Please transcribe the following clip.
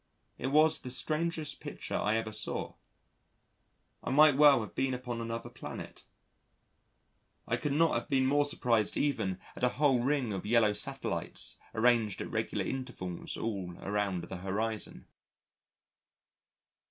It was the strangest picture I ever saw. I might well have been upon another planet; I could not have been more surprised even at a whole ring of yellow satellites arranged at regular intervals all around the horizon.